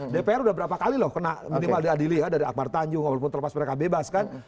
dpr udah berapa kali loh kena minimal diadili ya dari akbar tanjung walaupun terlepas mereka bebas kan